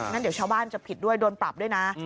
งั้นเดี๋ยวชาวบ้านจะผิดด้วยโดนปรับด้วยนะ